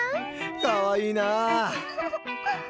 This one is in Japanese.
かわいいなあ。